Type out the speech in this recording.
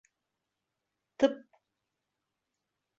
Тып!..